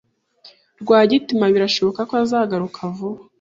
Rwagitima birashoboka ko azagaruka vuba.